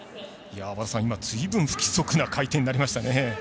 ずいぶん不規則な回転になりましたね。